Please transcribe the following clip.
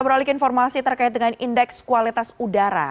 beralik informasi terkait dengan indeks kualitas udara